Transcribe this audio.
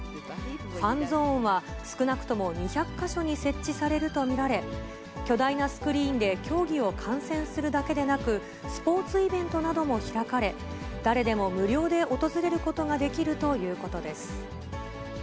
ファンゾーンは、少なくとも２００か所に設置されると見られ、巨大なスクリーンで競技を観戦するだけでなく、スポーツイベントなども開かれ、誰でも無料で訪れることができるということです。